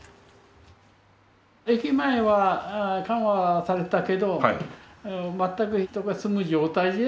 駅前は緩和されたけど全く人が住む状態じゃないわけですね。